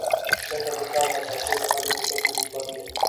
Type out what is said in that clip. لکه د سر د کاسې د هډوکو تر منځ بند دی.